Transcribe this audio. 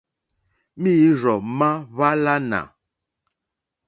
Mǐīrzɔ̀ má hwàlánà.